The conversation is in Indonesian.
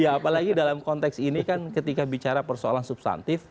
ya apalagi dalam konteks ini kan ketika bicara persoalan substantif